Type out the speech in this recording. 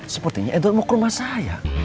sepertinya edward mau kurma saya